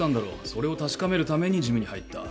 それを確かめるためにジムに入った。